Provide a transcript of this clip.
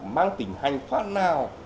mang tình hành pháp nào